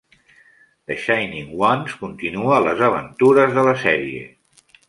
"The Shining Ones" continua les aventures de la sèrie.